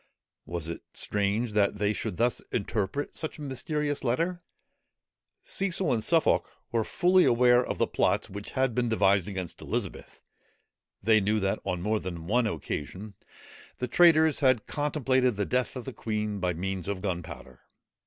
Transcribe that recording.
Was it strange that they should thus interpret such a mysterious letter? Cecil and Suffolk were fully aware of the plots which had been devised against Elizabeth; they knew that on more than one occasion, the traitors had contemplated the death of the queen by means of gunpowder.